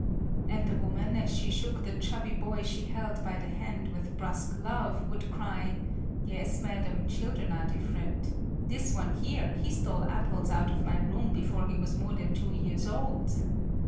And the woman, as she shook the chubby boy she held by the hand with brusque love, would cry: "Yes, madam, children are different; this one here, he stole apples out of my room before he was more than two years old."